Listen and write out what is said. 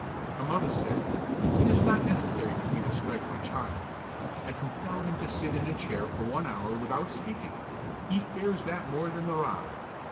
A mother said: "It is not necessary for me to strike my child. I compel him to sit in a chair for one hour without speaking. He fears that more than the rod."